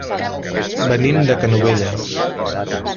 Venim de Canovelles.